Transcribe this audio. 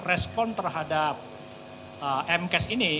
respon terhadap mcas ini